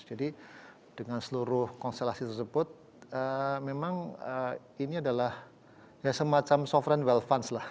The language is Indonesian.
jadi dengan seluruh konstelasi tersebut memang ini adalah semacam sovereign wealth funds lah